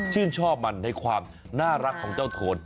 ชื่นชอบมันในความน่ารักของเจ้าโทน